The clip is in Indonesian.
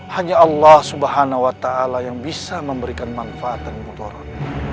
hanya allah subhanahu wa ta'ala yang bisa memberikan manfaat dan mudarat